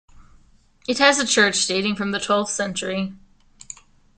It has a church dating from the twelfth century.